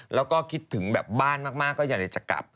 แล้วก็คิดถึงแบบบ้านมากก็อยากจะกลับ